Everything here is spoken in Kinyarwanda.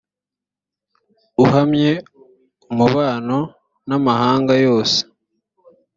uhamye umubano n amahanga yose